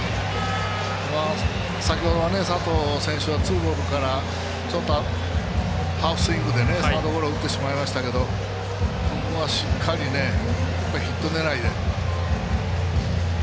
先ほどは佐藤選手はツーボールからちょっとハーフスイングでサードゴロを打ってしまいましたけどここはしっかりヒット狙いで。